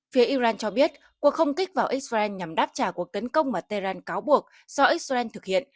phía iran cho biết cuộc không kích vào israel nhằm đáp trả cuộc tấn công mà tehran cáo buộc do israel thực hiện